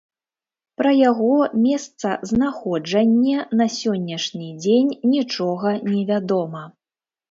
Пра яго месцазнаходжанне на сённяшні дзень нічога не вядома.